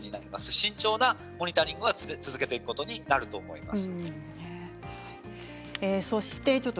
慎重なモニタリングは続けていくことになると思います。